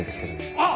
あっ！